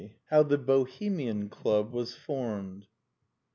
HOW THE BOHEMIAN CLUB WAS FORMED.